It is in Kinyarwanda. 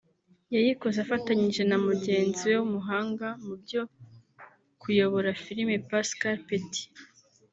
yayikoze afatanyije na mugenzi we w’umuhanga mu byo kuyobora filime Pascal Petit